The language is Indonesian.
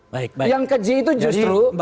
baik yang keji itu justru